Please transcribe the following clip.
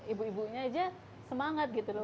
ibu ibunya aja semangat gitu loh